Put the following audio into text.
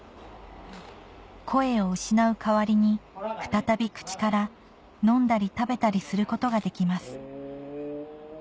声を失う代わりに再び口から飲んだり食べたりすることができます